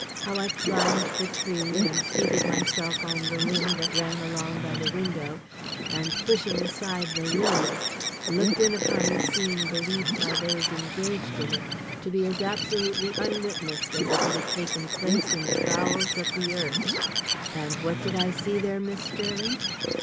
How I climbed the tree, and seated myself on the limb that ran along by the window, and pushing aside the leaves, looked in upon the scene believed by those engaged in it to be as absolutely unwitnessed as if it had taken place in the bowels of the earth. "And what did I see there, Miss Sterling?